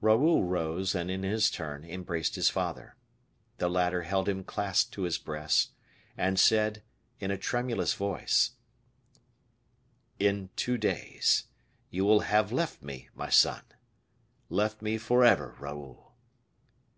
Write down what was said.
Raoul rose, and in his turn embraced his father. The latter held him clasped to his breast, and said, in a tremulous voice, "In two days, you will have left me, my son left me forever, Raoul!"